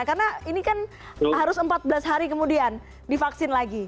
karena ini kan harus empat belas hari kemudian divaksin lagi